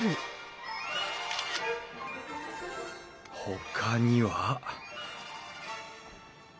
ほかには？